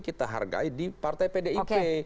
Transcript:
kita hargai di partai pdip